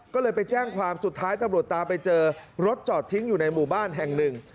ก็เลยไปแจ้งความสุดท้ายตำรวจตามไปเจอรถจอดทิ้งอยู่ในหมู่บ้านแห่งหนึ่ง